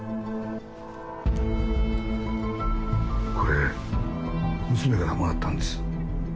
これ娘からもらったんです。